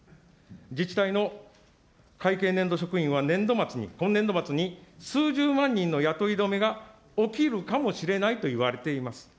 自治体の会計年度職員は年度末に、今年度末に、数十万人の雇い止めが起きるかもしれないといわれております。